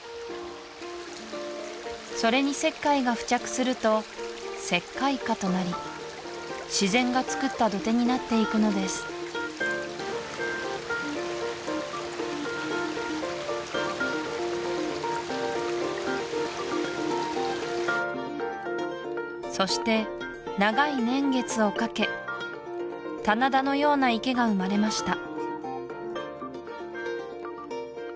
それに石灰が付着すると石灰華となり自然がつくった土手になっていくのですそして長い年月をかけ棚田のような池が生まれました